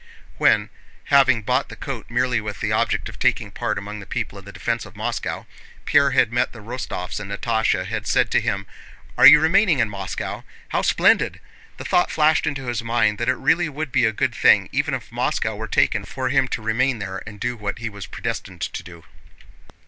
When, having bought the coat merely with the object of taking part among the people in the defense of Moscow, Pierre had met the Rostóvs and Natásha had said to him: "Are you remaining in Moscow?... How splendid!" the thought flashed into his mind that it really would be a good thing, even if Moscow were taken, for him to remain there and do what he was predestined to do.